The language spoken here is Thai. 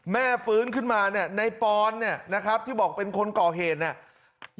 ฟื้นขึ้นมาเนี่ยในปอนเนี่ยนะครับที่บอกเป็นคนก่อเหตุเนี่ย